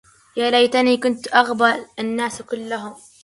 يا ليتني كنت أغبى الناس كلهم